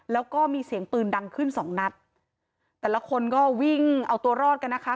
แล้วก็มีเสียงปืนดังขึ้นสองนัดแต่ละคนก็วิ่งเอาตัวรอดกันนะคะ